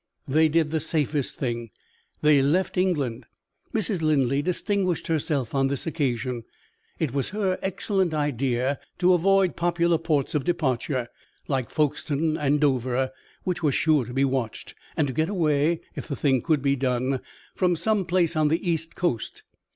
"They did the safest thing they left England. Mrs. Linley distinguished herself on this occasion. It was her excellent idea to avoid popular ports of departure, like Folkestone and Dover, which were sure to be watched, and to get away (if the thing could be done) from some place on the east coast.